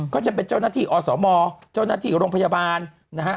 ก็จะเป็นเจ้าหน้าที่อสมเจ้าหน้าที่โรงพยาบาลนะฮะ